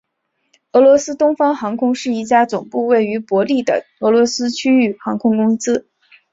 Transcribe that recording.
俄罗斯东方航空是一家总部位于伯力的俄罗斯区域航空公司。